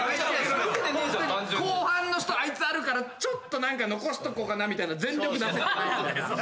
あいつあるからちょっと残しとこうかなみたいな全力出せてない。